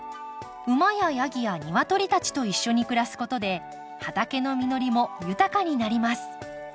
馬やヤギやニワトリたちと一緒に暮らすことで畑の実りも豊かになります。